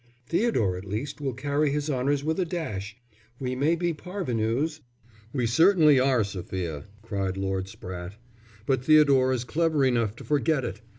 Theodore at least will carry his honours with a dash. We may be parvenus...." "We certainly are, Sophia," cried Lord Spratte. "But Theodore is clever enough to forget it.